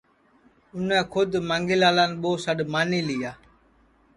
اُنے کھود مانگھی لالان ٻو سڈؔ مانی لیا